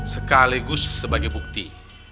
sekaligus sebagai bukti